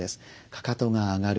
かかとが上がる。